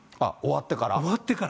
終わってから。